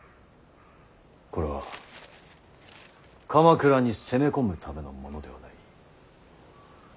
これは鎌倉に攻め込むためのものではない。